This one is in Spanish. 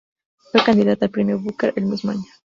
Fue candidata al Premio Booker el mismo año.